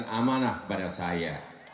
dan amanah kepada saya